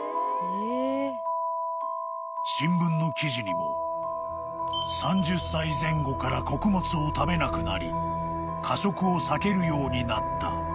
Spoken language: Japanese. ［新聞の記事にも「３０歳前後から穀物を食べなくなり火食を避けるようになった」］